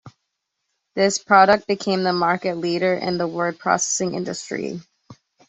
This product became the market leader in the word processing industry.